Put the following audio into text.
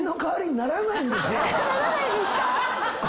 ならないですか⁉